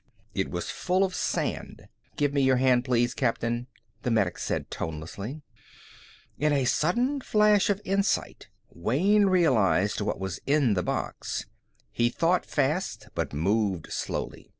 It was full of sand. "Give me your hand, please, Captain," the medic said tonelessly. In a sudden flash of insight, Wayne realized what was in the box. He thought fast but moved slowly.